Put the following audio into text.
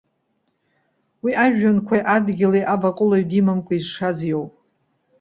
Уи ажәҩанқәеи адгьыли аваҟәылаҩ димамкәа изшаз иоуп.